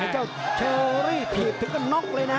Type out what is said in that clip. เจ้าเชอรี่ถีบถึงกันน็อกเลยนะ